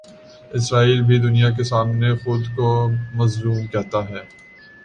اسرائیل بھی دنیا کے سامنے خو دکو مظلوم کہتا ہے۔